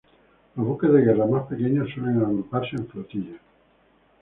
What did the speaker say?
Los buques de guerra más pequeños suelen agruparse en flotillas.